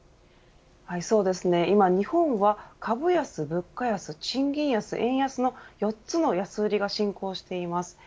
そうですね、日本は株安、物価安賃金安、円安の４つの安売りが進行しています。